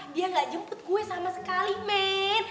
dia gak jemput gue sama sekali men